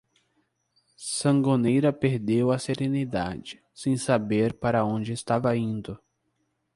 Sangonera perdeu a serenidade, sem saber para onde estava indo.